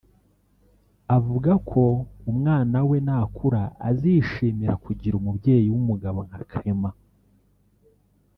avuga ko umwana we nakura azishimira kugira umubyeyi w’umugabo nka Clement